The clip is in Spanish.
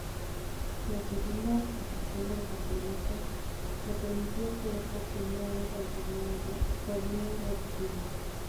La segunda posición del campeonato le permitió acceder por primera vez al Torneo Reducido.